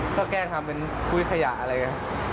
ก็แกล้งทำเป็นคุ้ยขยะอะไรเนี่ย